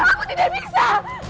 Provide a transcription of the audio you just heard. aku tidak bisa